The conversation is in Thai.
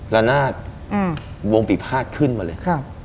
แล้วหน้าวงปีภาคขึ้นมาเลย